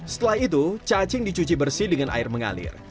setelah itu cacing dicuci bersih dengan air mengalir